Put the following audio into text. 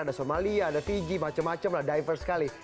ada somalia ada fiji macem macem lah divers sekali